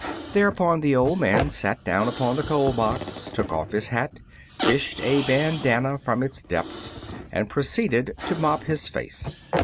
Thereupon the old man sat down upon the coal box, took off his hat, fished a ban danna from its depths and proceeded to mop his face.